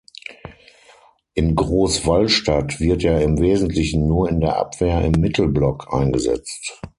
In Großwallstadt wird er im Wesentlichen nur in der Abwehr im Mittelblock eingesetzt.